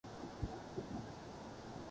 وہ کیونکر کرسی چھوڑنے کا سوچیں؟